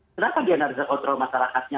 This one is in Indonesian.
kenapa dia tidak bisa kontrol masyarakatnya